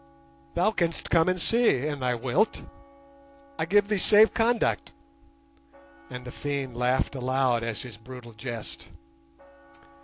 Thou canst come and see, an' thou wilt. I give thee a safe conduct;" and the fiend laughed aloud at his brutal jest.